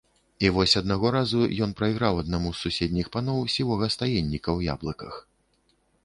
І вось аднаго разу ён прайграў аднаму з суседніх паноў сівога стаенніка ў яблыках.